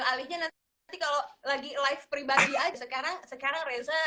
sekarang sekarang reza gitu nanti kalau lagi live pribadi aja sekarang sekarang reza